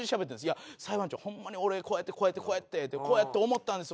「いや裁判長ホンマに俺こうやってこうやってこうやって思ったんですよ。